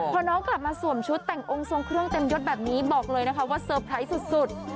พอน้องกลับมาสวมชุดแต่งองค์ทรงเครื่องเต็มยดแบบนี้บอกเลยนะคะว่าเซอร์ไพรส์สุด